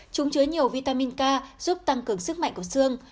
chúng chứa nhiều vitamin k giúp tăng cường sức mạnh của xương